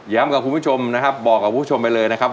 กับคุณผู้ชมนะครับบอกกับคุณผู้ชมไปเลยนะครับ